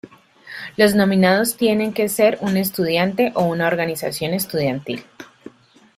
Los nominados tienen que ser un estudiante o una organización estudiantil.